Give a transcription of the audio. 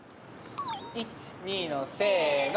１２のせの。